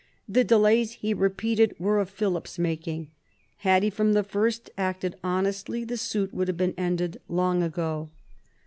The delays, he repeated, were of Philip's making. Had he from the first acted honestly the suit would have been ended long ago.